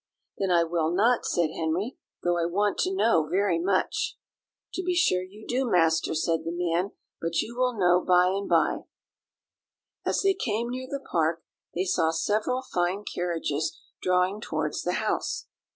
"Then I will not," said Henry; "though I want to know very much." "To be sure you do, master,'" said the man; "but you will know by and by." As they came near the park, they saw several fine carriages drawing towards the house.